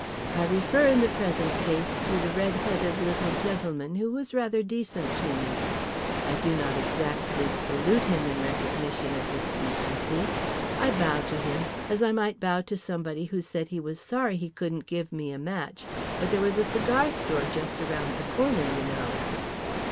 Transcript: I refer, in the present case, to the red headed little gentleman who was rather decent to me. I do not exactly salute him in recognition of this decency; I bow to him, as I might bow to somebody who said he was sorry he couldn't give me a match, but there was a cigar store just around the corner, you know.